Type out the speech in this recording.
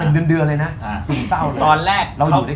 เป็นเดือนเลยนะซึมเศร้าเลย